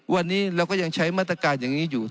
วันนี้เราก็ยังใช้มาตรการอย่างนี้อยู่